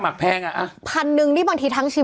มักแพง